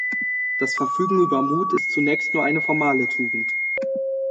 Das Verfügen über Mut ist zunächst nur eine formale Tugend.